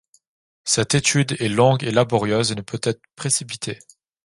Cette étude est longue et laborieuse et ne peut être précipitée.